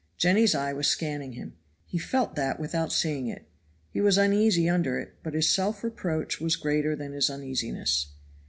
Jenny's eye was scanning him. He felt that without seeing it. He was uneasy under it, but his self reproach was greater than his uneasiness.